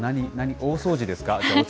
大掃除ですか？